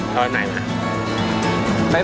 วันใหม่ไหม